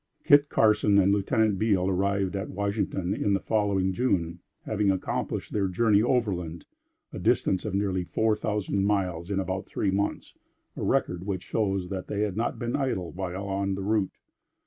Kit Carson and Lieutenant Beale arrived at Washington in the following June, having accomplished their journey overland, a distance of nearly 4,000 miles, in about three months, a record which shows that they had not been idle while on the route.